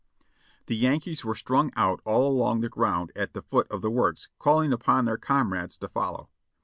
"The Yankees were strung out all along the ground at the foot of the works, calling upon their comrades to follow.